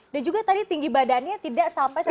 dan juga tadi tinggi badannya tidak sampai satu meter